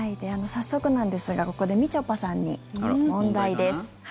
早速なんですが、ここでみちょぱさんに問題です。